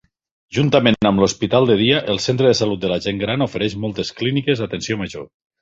Juntament amb l'Hospital de dia, el centre de salut de la gent gran ofereix moltes clíniques d'atenció major.